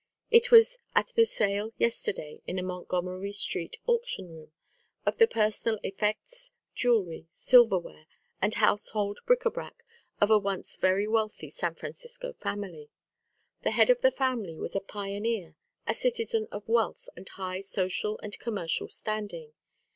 It was at the sale yesterday, in a Montgomery Street auction room, of the personal effects, jewelry, silverware, and household bric a brac of a once very wealthy San Francisco family. The head of the family was a pioneer, a citizen of wealth and high social and commercial standing.